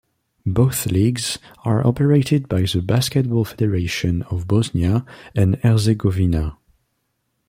Both leagues are operated by the Basketball Federation of Bosnia and Herzegovina.